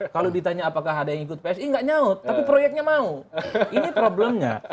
kalau ditanya apakah ada yang ikut psi nggak nyaut tapi proyeknya mau ini problemnya